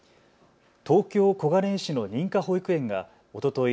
東京小金井市の認可保育園がおととい